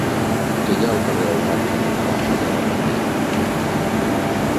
Què hi ha al carrer Olvan cantonada Allada-Vermell?